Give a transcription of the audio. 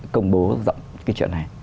công bố rộng cái chuyện này